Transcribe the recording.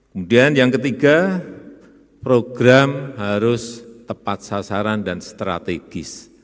kemudian yang ketiga program harus tepat sasaran dan strategis